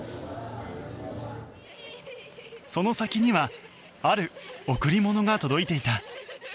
その先にはある贈り物が届いていた。